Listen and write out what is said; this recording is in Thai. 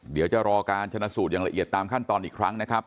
เดี๋ยวจะรอการชนะสูตรอย่างละเอียดตามขั้นตอนอีกครั้งนะครับ